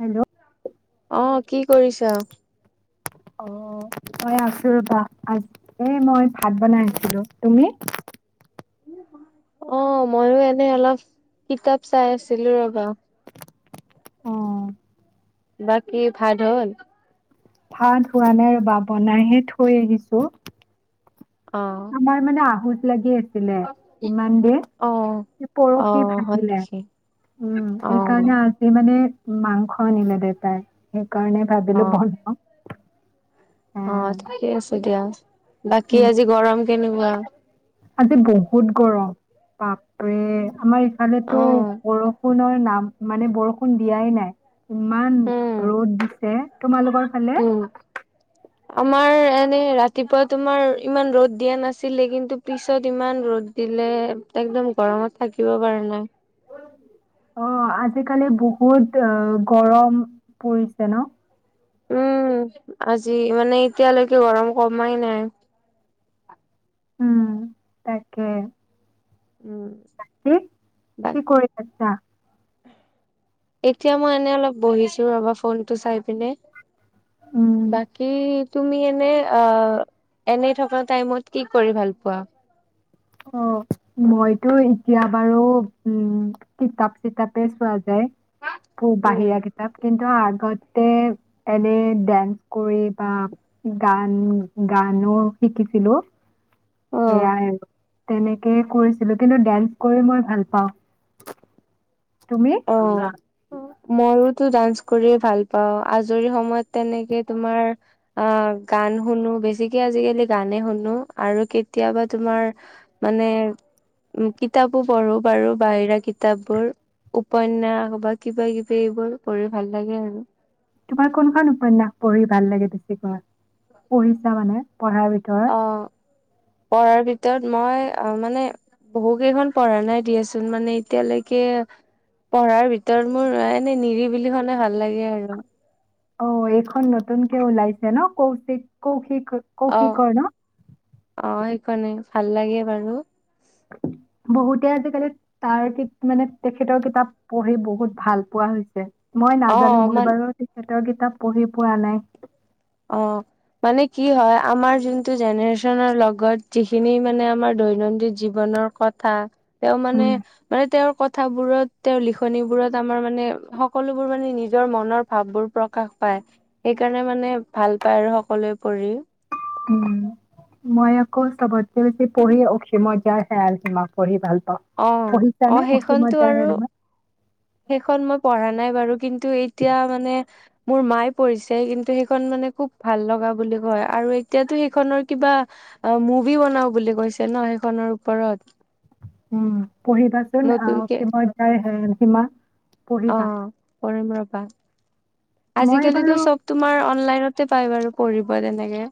Hello. অ', কি কৰিছা? অ', মই আছো ৰ'বা! আজ এ মই ভাত বনাই আছিলো, তুমি? অ', ময়ো এনে অলপ কিতাপ চাই আছিলো ৰবা। অ'। বাকী ভাত হ'ল? ভাত হোৱা নাই ৰ'বা বনাইহে থৈ আহিছো। অ'। আমাৰ মানে আহোচ লাগি আছ ছিলে ইমান দিন অ এই অ পৰহি হয় ভাগিলে। নেকি উম, অ এনে কাৰণে আজি মানে মাংস আনিলে দেতাই সেইকাৰণে অ ভাবিলো বনাওঁ। অ', ঠিকে আছে দিয়া। বাকী উম আজি গৰম কেনেকুৱা? আজি বহুত গৰম। বাপৰে আমাৰ অ ইফালো বৰষুণৰ নাম মানে বৰষুণ দিয়াই নাই। ইমান উম ৰ'দ দিছে। তোমালোকৰ ফালে? [inaudible] আমাৰ এনে ৰাতিপুৱা তোমাৰ ইমান ৰ'দ দিয়া নাছিলে। কিন্তু পিছত ইমান ৰ'দ দিলে একদম গৰমত থাকিব পাৰো নাই। অ', আজিকালি বহুত অ' গৰম পৰিছে ন? উ'ম, আজি মানে এতিয়ালৈকে গৰম কমাই নাই। উ'ম, তাকে। উ'ম। কি, বাকী কি কৰি আছা? এতিয়া মই এনে অলপ বহিছো ৰবা ফোনটো চাই পিনে, উম, বা কি তুমি এনে অ এনে থকা টাইমত কি কৰি ভাল পোৱা? অ' মইতো এতিয়া বাৰু উ'ম কিতাপ চিতাপে চোৱা যায় উম। বাহিৰা কিতাপ। কিন্তু আগতে এনে ডেন্স কৰি বা গান গানো শিকিছিলো, অ', সেয়াই। তেনেকেই কৰিছিলো কিন্তু ডেন্স কৰি মই ভাল পাওঁ। তুমি? অ'। ময়োতো ডান্স কৰিয়ে ভাল পাও, আজৰি সময়ত তেনেকে তোমাৰ অ' গান শুনো বেছিকে আজিকালি গানে শুনো আৰু কেতিয়াবা তোমাৰ মানে উ কিতাপো পঢ়ো বাৰু বাহিৰা কিতাপবোৰ। উপন্যাস বা কিবা কিবি এইবোৰ পঢ়ি ভাল লাগে আৰু। তোমাৰ কোনখন উপন্যাস পঢ়ি ভাল লাগে বেছিকৈ, পঢ়িছা মানে পঢ়াৰ ভিতৰত? অ' পঢ়াৰ ভিতৰত মই অ মানে বহু কেইখন পঢ়া নাই দিয়াচোন মানে এতিয়ালৈকে পঢ়াৰ ভিতৰত মোৰ এনে নিৰিবিলিখনে ভাল লাগে আৰু। অ এইখন নতুনকে ওলাইছে ন কৌশিক কৌশিক অ কৌশিকৰ ন? অ' সেইখনে ভাল লাগে বাৰু। বহুতে আজিকালি তাৰ মানে তেখেতৰ কিতাপ পঢ়ি বহুত ভাল পোৱা হৈছে। মই অ নাজানো মই মান বাৰু তেখেতৰ কিতাপ পঢ়ি পোৱা নাই। অ'। মানে কি হয় আমাৰ যোনটো জেনেৰেচনৰ লগত যিখিনি মানে আমাৰ দৈনন্দিন জীৱনৰ ক কথা তেওঁ মানে উম, মানে তেওঁৰ কথাবোৰত তেওঁৰ লিখনিবোৰত আমাৰ মানে সকলোবোৰ মানে নিজৰ মনত ভাববোৰ প্ৰকাশ পায় সেইকাৰণে মানে ভাল পায় আৰু সকলোৱে পঢ়ি। উ'ম। মই আকৌ চবতকে বেছি পঢ়ি অসীমত যাৰ হেৰাল সীমা পঢ়ি ভাল পাওঁ। অ অ পঢ়িছানে সেইখনতো অসীমত যাৰ আৰু হেৰাল সীমা? সেইখন মই পঢ়া নাই বাৰু কিন্তু এতিয়া মানে মোৰ মায়ে পঢ়িছে কিন্তু সেইখন মানে খুব ভাল লগা বুলি কয় আৰু এতিয়াতো সেইখনৰ কিবা অ মুভি বনাও বুলি কৈছে ন সেইখনৰ ওপৰত। উ'ম পঢ়িবাচোন নতুনকে অসীমত যাৰ হেৰাল সীমা, পঢ়িবা। পঢ়িম ৰবা, মই আজিকালিতো বাৰু চব তোমাৰ অনলাইনতে পাই বাৰু পঢ়িব তেনেকে।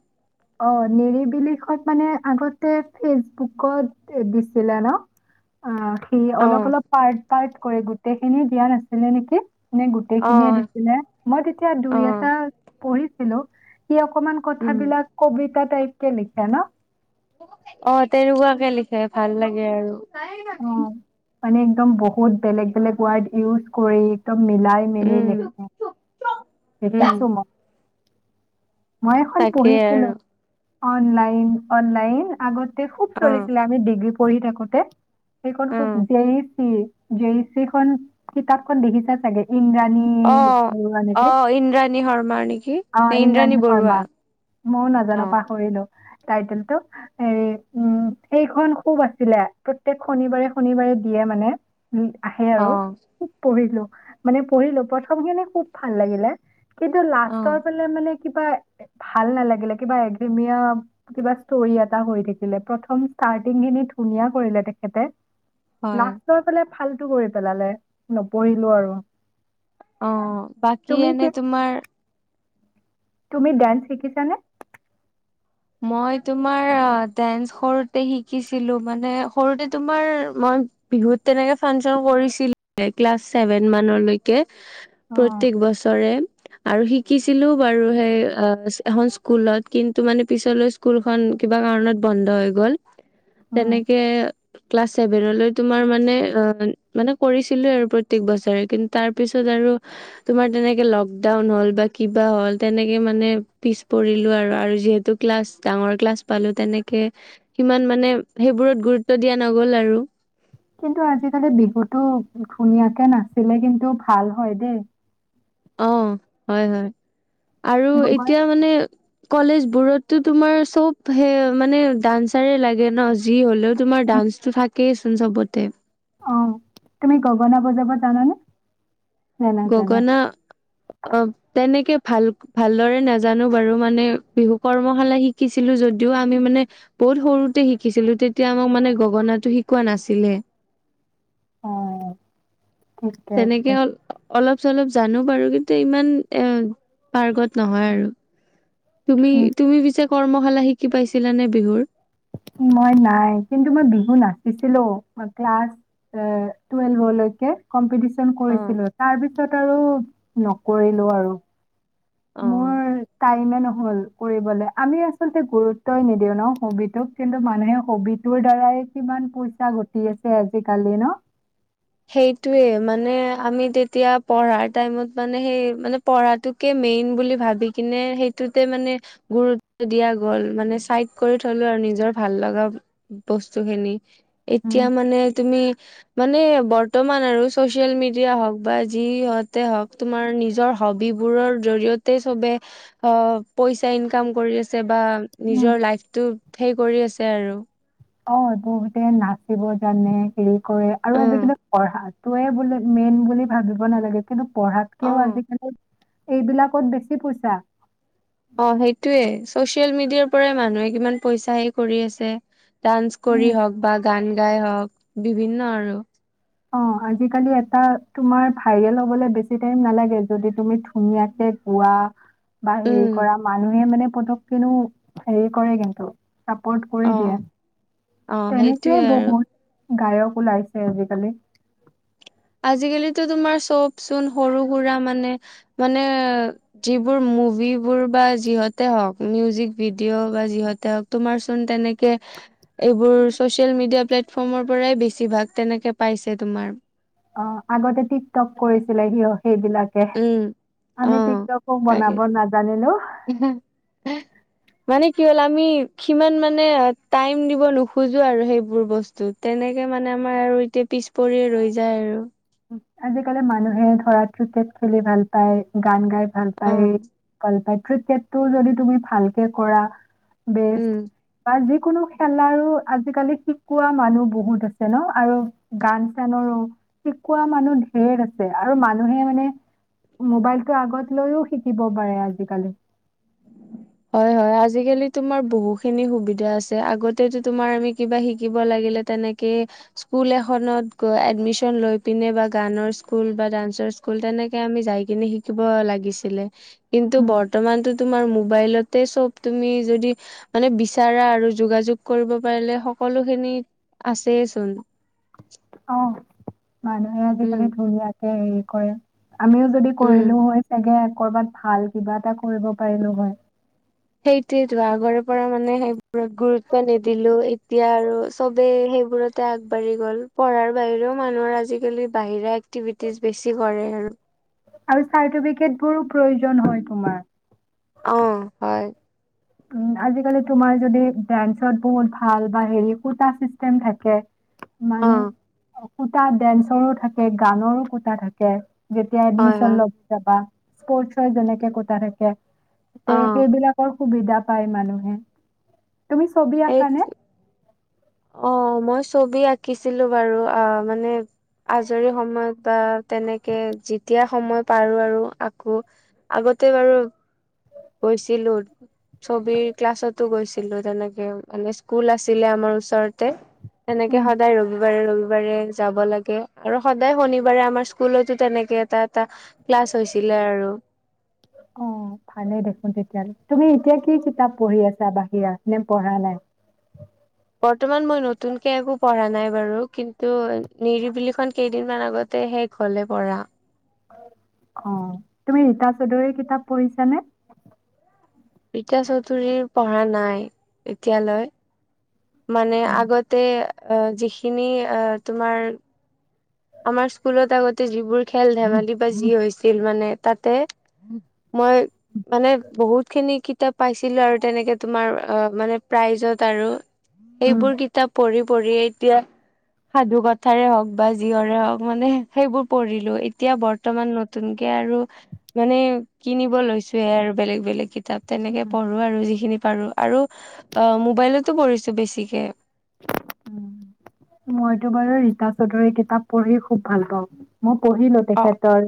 অ নিৰিবিলিখন মানে আগতে ফেচবুকত দিছিলে ন? অ [inaudible] সি অলপ অলপ পাৰ্ট পাৰ্ট কৰে গোটেইখিনি দিয়া নাছিলে নেকি? নে অ গোটেইখিনিয়ে দিছিলে, মই তেতিয়া অ দুই এটা পঢ়িছিলো সি অকমান উম কথাবিলাক কবিতা টাইপ কে লিখে ন? অ তেনেকুৱাকে লিখে ভাল লাগে আৰু। অ মানে একদম বহুত বেলেগ-বেলেগ ৱাৰ্ড ইউজ কৰি একদম মিলাই মেলি উম। লিখে। উম দেখিছো মোক। মই এখন তাকেই পঢ়িছিলো, আৰু অনলাইন-অনলাইন আগতে- খুব অ চলিছিলে আমি ডিগ্ৰী পঢ়ি থাকোতে, সেইখন অ খুব J E C J E C খন, কিতাপখন দেখিছা চাগে ইন্দ্ৰানী অ', -অ', ইন্দ্ৰাণী শৰ্মাৰ নেকি। নে অ', ইন্দ্ৰাণী শৰ্মা, বৰুৱা মইও অ নাজানো পাহৰিলো, টাইটেলটো। হেৰি, উম, সেইখন খুব আছিলে, প্ৰত্যেক শনিবাৰে- শনিবাৰে দিয়ে মানে। আহে অ আৰু, খুব পঢ়িলো, মানে পঢ়িলো প্ৰথমখিনি খুব ভাল লাগিলে। কিন্তু লাষ্টৰ ফালে মানে কিবা, ভাল নালাগিলে কিবা একঘেৰেমিয়া কিবা ষ্টৰী এটা হৈ থাকিলে, প্ৰথম ষ্টাৰটিং খিনি ধুনীয়া কৰিলে তেখেতে। হয় লাষ্টৰ ফালে ফালটু কৰি পেলালে, নপঢ়িলো আৰু। অ', বাকী তুমি কি এনে তোমাৰ তুমি ডান্স শিকিছানে? মই তোমাৰ ডেন্স সৰুতে শিকিছিলো মানে সৰুতে তোমাৰ মই বিহুত তেনেকে ফাংচন কৰিছিলো, ক্লাছ ছেভেন মানলৈকে কে, অ প্ৰত্যেক বছৰে আৰু, শিকিছিলো বাৰু সেই এখন স্কুলত কিন্তু মানে পিছলৈ স্কুলখন কিবা কাৰণত বন্ধ হৈ গ'ল। উম তেনেকে, ক্লাছ চছেভেনলৈ তোমাৰ মানে অ', - মানে কৰিছিলো আৰু প্ৰত্যেক বছৰে কিন্তু তাৰ পিছত আৰু তোমাৰ তেনেকে লকডাউন হ'ল, বা কিবা হ'ল তেনেকে মানে পিছ পৰিলো আৰু আৰু যিহেতু ক্লাছ ডাঙৰ ক্লাছ পালো তেনেকে, সিমান মানে সেইবোৰত গুৰুত্ব দিয়া নগ'ল আৰু। কিন্তু আজি-কালি বিহুটো ধুনীয়াকে নাছিলে কিন্তু ভাল হয় দেই। অ', হয়- হয়, আৰু গগনা এতিয়া মানে কলেজ বোৰতো তোমাৰ চব সেই মানে ডান্সাৰে লাগে ন যি হলেও তোমাৰ ডান্স টো থাকেইচোন চবতে। অ', তুমি গগনা বজাব জানানে? জানা, জানা। গগনা অ', তেনেকে ভাল-ভালদৰে নাজানো বাৰু মানে বিহু কৰ্মশালা শিক শিকিছিলোঁ যদিও আমি মানে বহুত সৰুতে শিকিছিলোঁ তেতিয়া আমাক মানে গগনাটো শিকোৱা নাছিলে। অঁহ'। তেনেকে, অলপ- চলপ জানো বাৰু কিন্তু ইমান এ, পাৰ্গত নহয় আৰু। তুমি- উম, তুমি পিছো কৰ্মশালা শিকি পাইছিলানে বিহুৰ? মই নাই কিন্তু মই বিহু নাচিছিলোঁ মই ক্লাছ এ টুৱেলভলৈকে কম্পিটি চন অ কৰিছিলোঁ, তাৰ পিছত আৰু নকৰিলো আৰু। অ মোৰ টাইমে নহ'ল কৰিবলে, আমি আচলতে গুৰুত্বই নিদিও ন হবিটোক। কিন্তু মানুহে হবিটোৰ দ্বাৰাই কিমান পইচা ঘটি আছে আজি-কালি ন! সেইটোয়ে মানে আমি তেতিয়া পঢ়াৰ টাইমত মানে সেই মানে পঢ়াটোত কে মেইন বুলি ভাবি কিনে সেইটোতে মানে গুৰুত্ব দিয়া গ'ল, মানে চাইড কৰি থলো আৰু নিজৰ ভাল লগা বস্তু খিনি, উম, এতিয়া মানে তুমি, মানে বৰ্তমান আৰু ছ'চিয়েল মিডিয়া হওঁক বা যিহঁতে হওঁক তোমাৰ নিজৰ হবিবোৰৰ জৰিয়তে তাতে চবে অ', পইচা ইনকাম কৰি আছে বা উম। নিজৰ লাইফটো সেই কৰি আছে আৰু অ', বহুতে নাচিব জানে হেৰি কৰে আৰু অ আজিকালি পঢ়া তোয়ে বোলে মেইন বুলি ভাবিব নালাগে কিন্তু পঢ়াত কেও অ আজিকালি এইবিলাকত বেছি পইচা। অ', সেইটোয়ে চচিয়েল মিডিয়াৰ পৰাই মানুহে কিমান পইচা হেই কৰি আছে। ডান্স কৰি উম। হওঁক বা গান গাই হওঁক, বিভিন্ন আৰু। অ', আজিকালি এটা তোমাৰ ভাইৰেল হব'লে বেছি টাইম নালাগে যদি তুমি ধুনীয়াকে পোৱা বা হেৰি উম কৰা মানুহে মানে পতক কিনো হেৰি কৰে কিন্তু চাপৰ্ট অ কৰি দিয়ে অ সেইটোয়ে তেনেকেই আৰু বহুত গায়ক ওলাইছে আজিকালি। আজিকালিতো তোমাৰ চবচোন সৰু সুৰা মানে, মানে যিবোৰ মুভিবোৰ বা যিহতে হওঁক মিউজিক ভিডিঅ' বা যিহতে তোমাৰ চোন তেনেকে এইবোৰ ছচিয়েল মিডিয়া প্লেটফৰ্মৰ পৰাই বেছিভাগ তেনেকে পাইছে তোমাৰ। অ', আগতে টিকটক কৰিছিলে সিহঁতে সেইবিলাক উম অ আমি টিক টকক বনাব নাজানিলোঁ উম, উম। মানে কি হ'ল আমি সিমান মানে টাইম দিব নোখোজো আৰু সেইবোৰ বস্তু ত তেনেকে মানে আমাৰ আৰু এতিয়া পিছ পৰিয়ে ৰৈ যায় আৰু। আজিকালি মানুহে ধৰা ক্ৰিকেট খেলি ভাল পায় গান গায় ভাল পায়, অ' ভাল পায় ক্ৰিকেটটোও যদি তুমি ভালকে কৰা উম। বেষ্ট বা যিকোনো খেলাৰো আজিকালি শিকোৱা মানুহ বহুত আছে ন আৰু গান চানৰো শিকোৱা মানুহ ঢেৰ আছে আৰু মানুহে মানে মোবাইলতটো আগত লৈও শিকিব পাৰে আজিকালি হয়, হয় আজিকালি তোমাৰ বহুখিনি সুবিধা আছে আগতেতো তোমাৰ আমি কিবা শিকিব লাগিলে তেনেকে স্কুল এখনত গৈ এডমিচন লৈ পিনে বা গানৰ স্কুল বা ডান্সৰ স্কুল তেনেকে আমি যায় কিনে শিকিব লাগিছিলে কিন্তু উম। বৰ্তমানটো তোমাৰ মোবাইল তে চব তুমি যদি মানে বিচাৰা আৰু যোগাযোগ কৰিব পাৰিলে সকলোখিনি আছেয়ে চোন অ', মানুহে উম, আজিকালি ধুনীয়াকে হেৰি কৰে আমিও যদি কৰিলো উম, হয়। চাগে কৰবাত ভাল কিবা এটা কৰিব পাৰিলো হয়। সেইটোৱেইটো আগৰ পৰা মানে সেইবোৰত গুৰুত্ব নিদিলো এতিয়া আৰু চবেই সেইবোৰ তে আগবাঢ়ি গ'ল পঢ়াৰ বাহিৰেও মানুহৰ আজিকালি বাহিৰা এক্টিভিটিজ বেছি কৰে আৰু। আৰু চাৰ্টিফিকেট বোৰো প্ৰয়োজন হয় তোমাৰ। অ', হয়। আজিকালি তোমাৰ যদি ডেন্সত বহুত ভাল বা হেৰি ক'টা চিষ্টেম থাকে। অ', মানুহ ক'টা ডেন্সৰো থাকে গানৰো ক'টা থাকে। যেতিয়া হয়, এডমিচন হয় ল'ব যাবা স্পৰ্টছত যেনেকে ক'টা থাকে। তে অ', সেইবিলাকৰ সুবিধা পাই মানুহে তুমি ছবি এই আঁকানে? অ', মই ছবি আঁকিছিলো, বাৰু অ', মানে আজৰি সময়ত বা তেনেকে যেতিয়া সময় পাৰো আৰু আকো। আগতে বাৰু গৈছিলোঁ। ছবিৰ ক্লাছতো গৈছিলো তেনেকে মানে স্কুল আছিলে আমাৰ ওচৰতে। তেনেকে উম, সদায় ৰবিবাৰে ৰবিবাৰে যাব লাগে, আৰু সদায় শনিবাৰে আমাৰ স্কুলতো তেনেকে এটা এটা ক্লাছ হৈছিলে আৰু। অ ভালে দেখোন তেতিয়া হ'লে, তুমি এতিয়া কি কিতাপ পঢ়ি আছা বাহিৰা নে পঢ়া নাই? বৰ্তমান মই নতুনকে একো পঢ়া নাই বাৰু, কিন্তু নিৰিবিলিখন কেইদিনমান আগতে হে হ'লে পঢ়া। অঁ, তুমি ৰীতা চৌধুৰীৰ কিতাপ পঢ়িছানে? ৰীতা চৌধুৰীৰ পঢ়া নাই এতিয়ালৈ। মানে উম আগতে অঁ যিখিনি আঁহ তোমাৰ আমাৰ স্কুলত আগতে যিবোৰ খেল ধেমালি বা যি হৈছিল, মানে তাতে মই মানে বহুত খিনি কিতাপ পাইছিলো আৰু তেনেকে তোমাৰ মানে প্ৰাইজত আৰু। উম এইবোৰ কিতাপ পঢ়ি পঢ়িয়ে, এতিয়া সাধু কথাৰে হওক বা যিহৰে হওক মানে সেইবোৰ পঢ়িলো, এতিয়া বৰ্তমান নতুনকে আৰু মানে কিনিব লৈছোয়ে আৰু বেলেগ বেলেগ কিতাপ। তেনেকে উম পঢ়ো আৰু যিখিনি পাৰো, আৰু অ মোবাইলতো পঢ়িছো বেছিকে। উম, মইতো বাৰু ৰীতা চৌধুৰীৰ কিতাপ পঢ়ি খুব ভাল পাওঁ। মই পঢ়ি অ তেখেতৰ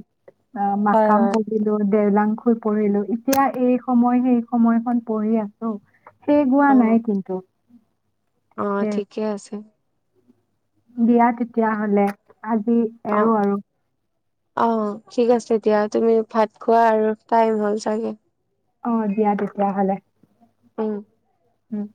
আঁ হয় মাকম হয় প ঢিলো, দেওলাং খুই পঢ়িলো এতিয়া এই সময় সেই সময়খন পঢ়ি আছো। হে গোৱা নাই কিন্তু। অঁ তে ঠিকে আছে। দিয়া তেতিয়া হ'লে আজি অঁ। এৰো আৰু। অঁ ঠিক আছে দিয়া, তুমি ভাত খোৱা আৰু টাইম হ'ল চাগে। অঁ দিয়া তেতিয়াহ'লে। উম। উম।